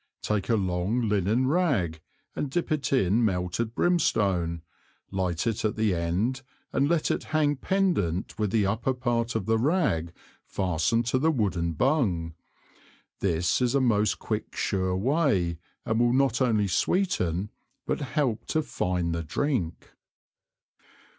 Take a long Linnen Rag and dip it in melted Brimstone, light it at the end, and let it hang pendant with the upper part of the Rag fastened to the wooden Bung; this is a most quick sure Way, and will not only sweeten, but help to fine the Drink.